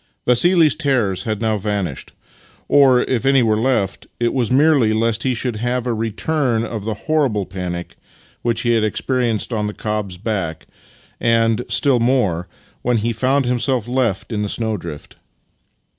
Vassili's terrors had now vanished — or, if any were left, it was merely lest he should have a return of the horrible panic which he had experienced on the cob's back, and, still more, when he found himself left in the snowdrift.